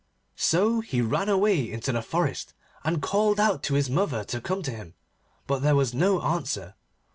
So he ran away into the forest and called out to his mother to come to him, but there was no answer.